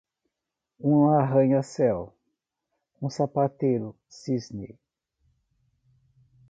Um arranha-céu, um sapateiro cisne!